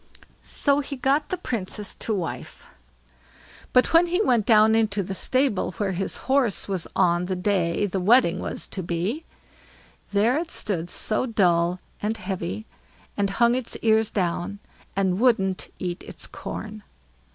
So he got the Princess to wife; but when he went down into the stable where his horse was on the day the wedding was to be, there it stood so dull and heavy, and hung its ears down, and wouldn't eat its corn.